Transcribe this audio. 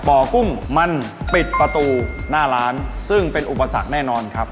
กุ้งมันปิดประตูหน้าร้านซึ่งเป็นอุปสรรคแน่นอนครับ